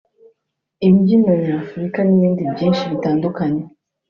imbyino nyafurika n’ibindi byinshi bitandukanye